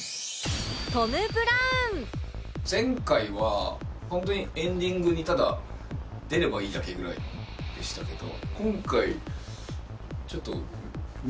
前回は本当にエンディングにただ出ればいいだけぐらいでしたけど。